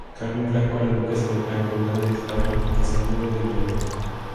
Carmen Franco era duquesa de Franco, grande de España y marquesa viuda de Villaverde.